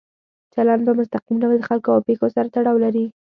چلند په مستقیم ډول د خلکو او پېښو سره تړاو لري.